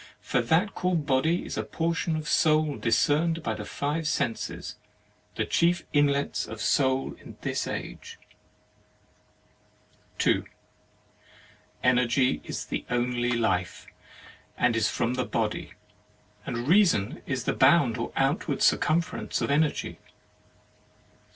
For that called Body is a por tion of Soul discerned by the five senses, the chief inlets of Soul in this age. 2 . Energy is the only life , and is from the Body; and Reason is the bound or outward circumference of Energy.